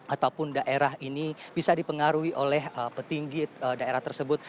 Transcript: ataupun daerah ini bisa dipengaruhi oleh petinggi daerah tersebut